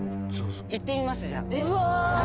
いってみます、じゃあ。